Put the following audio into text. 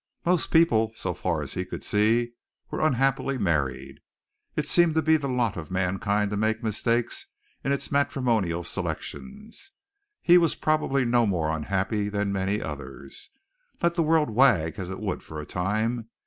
Most people so far as he could see were unhappily married. It seemed to be the lot of mankind to make mistakes in its matrimonial selections. He was probably no more unhappy than many others. Let the world wag as it would for a time.